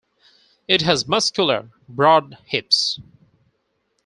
It has muscular, broad hips.